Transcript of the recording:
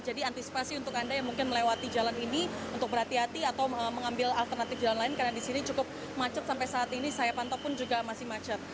jadi antisipasi untuk anda yang mungkin melewati jalan ini untuk berhati hati atau mengambil alternatif jalan lain karena disini cukup macet sampai saat ini saya pantau pun juga masih macet